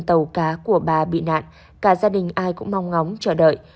tàu cá của bà bị nạn cả gia đình ai cũng mong ngóng chờ đợi